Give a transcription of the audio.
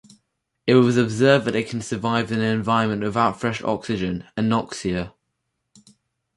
It was observed that it can survive in an environment without fresh oxygen (anoxia).